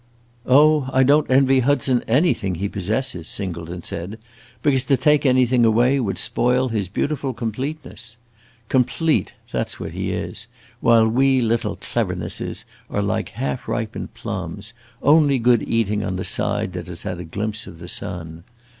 "Oh, I don't envy Hudson anything he possesses," Singleton said, "because to take anything away would spoil his beautiful completeness. 'Complete,' that 's what he is; while we little clevernesses are like half ripened plums, only good eating on the side that has had a glimpse of the sun.